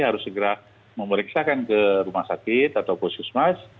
harus segera memeriksakan ke rumah sakit atau posis mas